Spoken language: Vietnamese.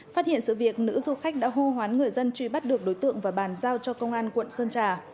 phát hiện sự việc nữ du khách đã hô hoán người dân truy bắt được đối tượng và bàn giao cho công an quận sơn trà